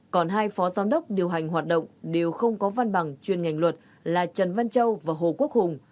còn hai phó giám đốc điều hành hoạt động đều không có văn bằng chuyên ngành luật là trần văn châu và hồ quốc hùng